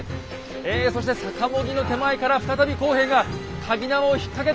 えそしてさかも木の手前から再び工兵がかぎ縄を引っ掛けた。